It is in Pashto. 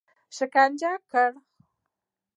شکنجه کړي.